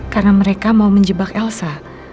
karena mereka mau menjebak elsa